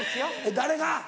誰が？